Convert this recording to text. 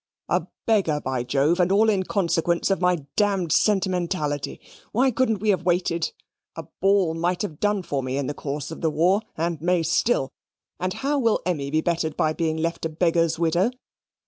"A beggar, by Jove, and all in consequence of my d d sentimentality. Why couldn't we have waited? A ball might have done for me in the course of the war, and may still, and how will Emmy be bettered by being left a beggar's widow?